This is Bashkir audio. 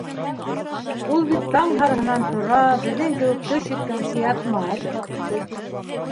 Ул бит таң һарыһынан тора, беҙҙең кеүек төш еткәнсе ятмай!